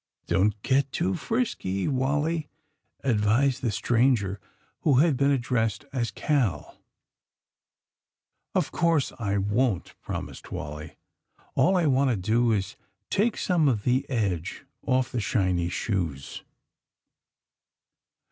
''Don't get too frisky, Wally," advised the stranger who had been addressed as Cal. ^*0f conrse I won't," promised Wally. A11 I want to do is to take some of the edge off the shiny shoes.